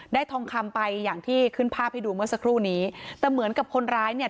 ทองคำไปอย่างที่ขึ้นภาพให้ดูเมื่อสักครู่นี้แต่เหมือนกับคนร้ายเนี่ย